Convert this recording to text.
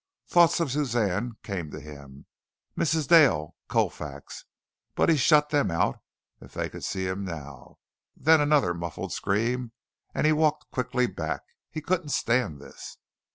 Thoughts of Suzanne came to him Mrs. Dale, Colfax, but he shut them out. If they could see him now! Then another muffled scream and he walked quickly back. He couldn't stand this.